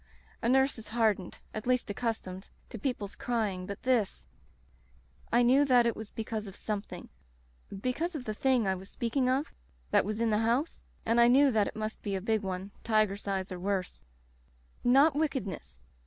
A nurse is hard ened — at least accustomed — to people's cry ing, but this — I knew that it was because Digitized by LjOOQ IC Interventions of something, because of the Thing I was speaking of that was in the house, and I knew that it must be a big one — ^tiger size, or worse, "Not wickedness.